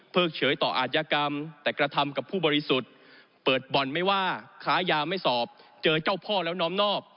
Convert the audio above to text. เฉยต่ออาจยากรรมแต่กระทำกับผู้บริสุทธิ์เปิดบ่อนไม่ว่าค้ายาไม่สอบเจอเจ้าพ่อแล้วน้อมนอบ